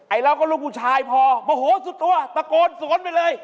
เราก็ลูกผู้ชายพอโมโหสุดตัวตะโกนสวนไปเลย